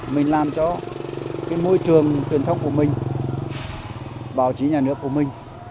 mình làm cho môi trường tuyển thông của mình báo chí nhà nước của mình